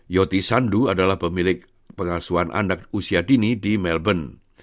yoti sandu adalah pemilik pengasuhan anak usia dini di melbourne